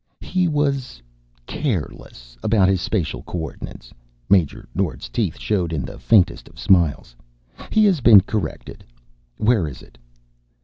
"He was careless about his spatial coordinates." Major Nord's teeth showed in the faintest of smiles. "He has been corrected. Where is it?"